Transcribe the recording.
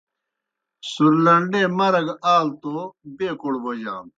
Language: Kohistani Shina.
سُرلنڈے مرگ آلوْ بیکوڑ بوجانوْ